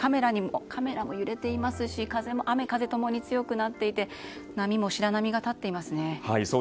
カメラも揺れていますし雨風共に強くなっていて波も白波が立っていますね。